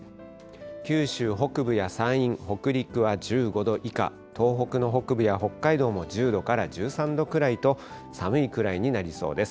九州北部や山陰、北陸は１５度以下、東北の北部や北海道も１０度から１３度ぐらいと、寒いくらいになりそうです。